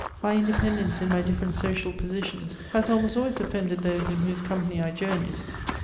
My independence in my different social positions has almost always offended those in whose company 1 journeyed.